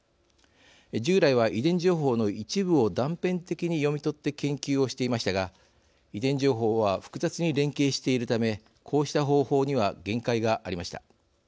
従来は遺伝情報の一部を断片的に読み取って研究をしていましたが遺伝情報は複雑に連携しているためこうした方法には限界がありました。